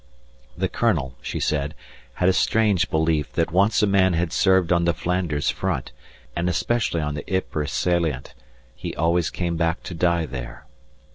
The Colonel, she said, had a strange belief that once a man had served on the Flanders Front, and especially on the Ypres salient, he always came back to die there.